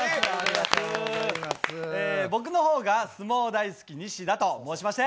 僕の方が相撲大好き西田と申しまして。